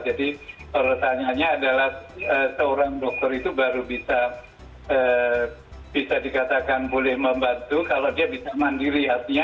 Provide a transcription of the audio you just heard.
jadi pertanyaannya adalah seorang dokter itu baru bisa dikatakan boleh membantu kalau dia bisa mandiri